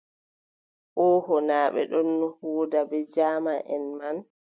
Ooho, naa ɓe ɗonno huuda bee jaamanʼen may.